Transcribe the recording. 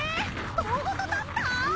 塔ごと立った！？